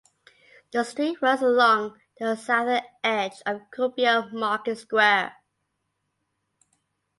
The street runs along the southern edge of Kuopio Market Square.